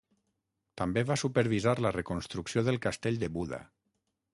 També va supervisar la reconstrucció del Castell de Buda.